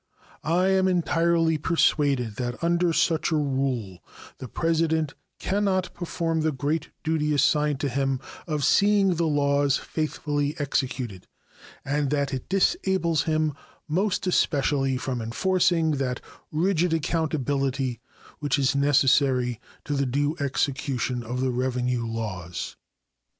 I am entirely persuaded that under such a rule the President can not perform the great duty assigned to him of seeing the laws faithfully executed, and that it disables him most especially from enforcing that rigid accountability which is necessary to the due execution of the revenue laws.